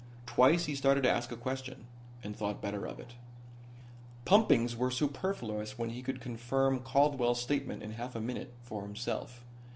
Twice he started to ask a question and thought better of it. Pumpings were superfluous when he could confirm Caldwell's statement in half a minute for himself.